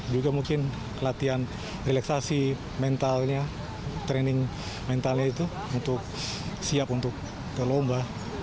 juga mungkin latihan relaksasi mentalnya training mentalnya itu untuk siap untuk ke lomba